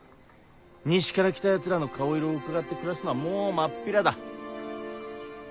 西から来たやつらの顔色をうかがって暮らすのはもう真っ平だ。